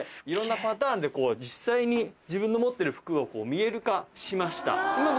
いろんなパターンで実際に自分の持ってる服を見える化しました。